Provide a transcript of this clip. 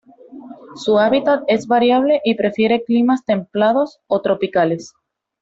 Su hábitat es variable y prefiere climas templados o tropicales.